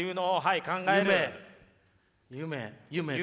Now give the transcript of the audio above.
夢？